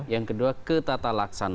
yang kedua ketata laksananya